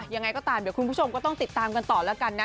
ยังไงก็ตามเดี๋ยวคุณผู้ชมก็ต้องติดตามกันต่อแล้วกันนะ